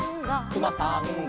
「くまさんが」